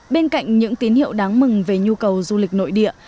bên cạnh những tín hiệu đáng mừng về nhu cầu du lịch nội địa